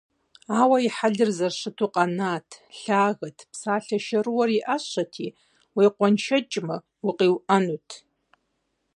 Ауэ и хьэлыр а зэрыщыту къэнат: лъагэт, псалъэ шэрыуэр и Ӏэщэти, уекъуэншэкӀмэ, «укъиуӀэнут».